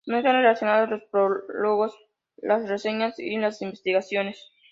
No están relacionados los prólogos, las reseñas y las investigaciones.